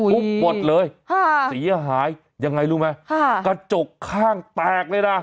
ปุ๊บปลดเลยสีอ่ะหายยังไงรู้มั้ยกระจกข้างแตกเลยน่ะ